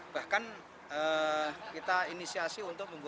bahkan kita inisiasi untuk membuat